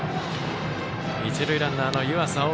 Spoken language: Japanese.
一塁ランナーの湯浅桜